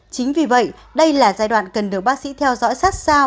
chính vì vậy đây là giai đoạn cần được bác sĩ theo dõi sát sao